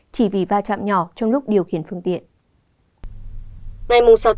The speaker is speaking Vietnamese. chỉ vì va chạm nhỏ trong lúc điều khiển phương tiện